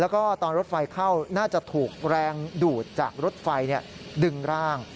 แล้วก็ตอนรถไฟเข้าน่าจะถูกแรงดูดจากรถไฟดึงร่าง